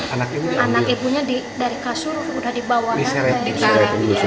anak ibunya dari kasur udah dibawa ke rumah